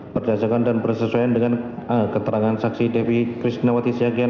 berdasarkan dan bersesuaian dengan keterangan saksi devi kristian isyagian